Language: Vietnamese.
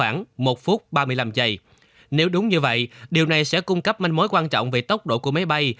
nếu đúng như vậy điều này sẽ cung cấp manh mối quan trọng về tốc độ của máy bay